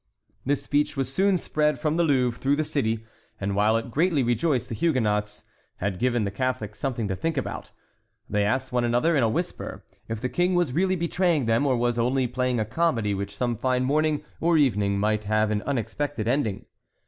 This speech was soon spread from the Louvre through the city, and, while it greatly rejoiced the Huguenots, had given the Catholics something to think about; they asked one another, in a whisper, if the King was really betraying them or was only playing a comedy which some fine morning or evening might have an unexpected ending.